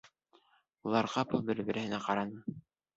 Улар ҡапыл бер-береһенә ҡараны.